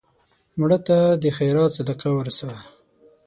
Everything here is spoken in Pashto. مړه ته د خیرات صدقه ورسوه